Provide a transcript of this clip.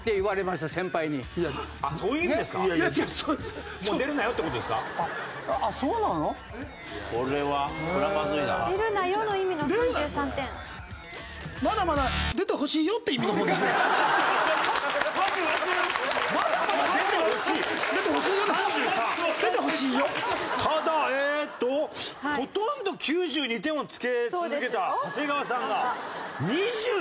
ただえっとほとんど９２点をつけ続けた長谷川さんが２２点。